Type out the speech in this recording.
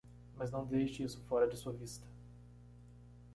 Mas não deixe isso fora de sua vista.